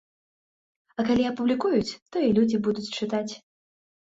А калі апублікуюць, то і людзі будуць чытаць.